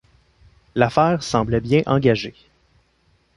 L'affaire semblait bien engagée.